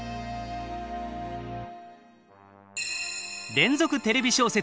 連続テレビ小説